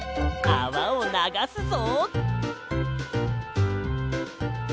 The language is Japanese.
あわをながすぞ。